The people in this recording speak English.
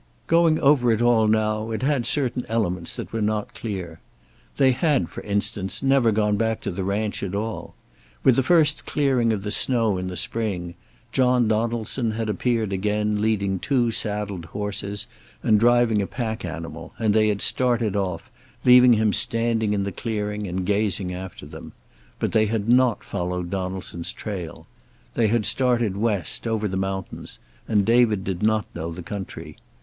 Going over it all now, it had certain elements that were not clear. They had, for instance, never gone back to the ranch at all. With the first clearing of the snow in the spring John Donaldson had appeared again, leading two saddled horses and driving a pack animal, and they had started off, leaving him standing in the clearing and gazing after them. But they had not followed Donaldson's trail. They had started West, over the mountains, and David did not know the country.